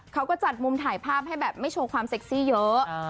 เขาก็จัดมุมถ่ายภาพให้แบบไม่โชว์ความเซ็กซี่เยอะ